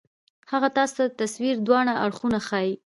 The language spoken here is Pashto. هغه تاسو ته د تصوير دواړه اړخونه ښائي